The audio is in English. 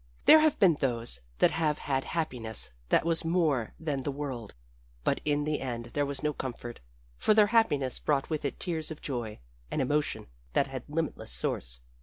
"There have been those that have had happiness that was more than the world, but in the end there was no comfort, for their happiness brought with it tears of joy and emotion that had limitless source.